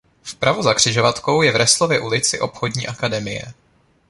Vpravo za křižovatkou je v Resslově ulici obchodní akademie.